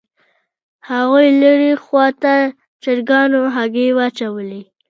هاغو لرې خوا ته چرګانو هګۍ واچولې